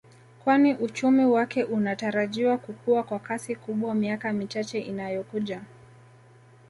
Kwani uchumi wake unatarajiwa kukua kwa kasi kubwa miaka michache inayo kuja